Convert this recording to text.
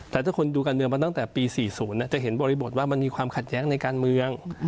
แต่ถ้าคนดูการเมืองมาตั้งแต่ปี๔๐จะเห็นบริบทว่ามันมีความขัดแย้งในการเมือง